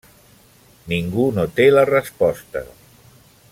Ningú no té la resposta.